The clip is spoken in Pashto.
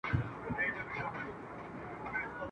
جهاني څنګه پردی سوم د بابا له هدیرې مي !.